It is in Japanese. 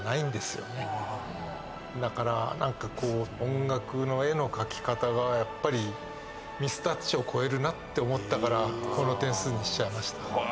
だから音楽の絵の描き方がやっぱりミスタッチを超えるなと思ったからこの点数にしました。